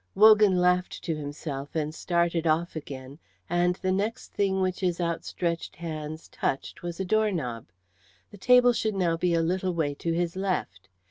Wogan laughed to himself and started off again; and the next thing which his outstretched hands touched was a doorknob. The table should now be a little way to his left.